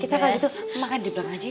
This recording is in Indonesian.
kita kalau gitu makan di belakang aja